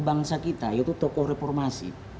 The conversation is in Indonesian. bangsa kita yaitu tokoh reformasi